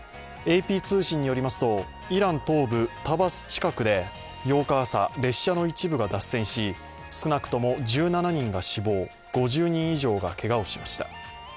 ＡＰ通信によりますと、イラン東部タバス近くで８日朝、列車の一部が脱線し少なくとも１７人が死亡５０人以上がけがをしました。